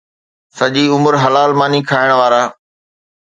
سڄي عمر حلال ماني کائڻ وارا